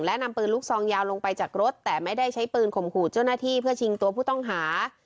และนำปืนลูกซองยาวลงไปจากรถแต่ไม่ได้ใช้ปืนข่มขู่เจ้าหน้าที่เพื่อชิงตัวผู้ต้องหา